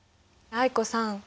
藍子さん。